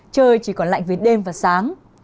trời chỉ còn lạnh về đêm và sáng